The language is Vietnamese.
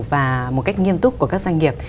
và một cách nghiêm túc của các doanh nghiệp